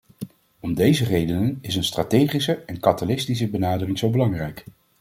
Om deze redenen is een strategische en katalytische benadering zo belangrijk.